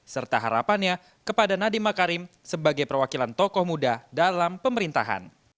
serta harapannya kepada nadiem makarim sebagai perwakilan tokoh muda dalam pemerintahan